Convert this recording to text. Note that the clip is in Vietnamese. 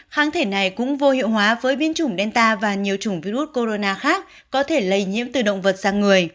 kháng thể này cũng vô hiệu hóa với biến chủng delta và nhiều chủng virus corona khác có thể lây nhiễm từ động vật sang người